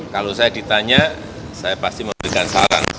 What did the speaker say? kalau saya ditanya saya pasti memberikan saran